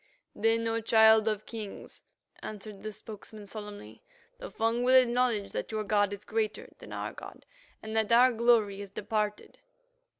"Then, O Child of Kings," answered the spokesman solemnly, "the Fung will acknowledge that your god is greater than our god, and that our glory is departed."